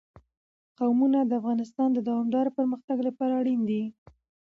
قومونه د افغانستان د دوامداره پرمختګ لپاره اړین دي.